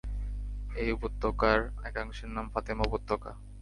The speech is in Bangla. এই উপত্যকার একাংশের নাম ফাতেমা উপত্যকা।